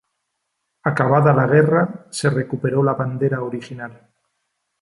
Acabada la guerra, se recuperó la bandera original.